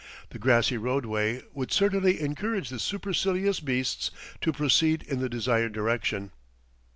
The grassy roadway would certainly encourage the supercilious beasts to proceed in the desired direction.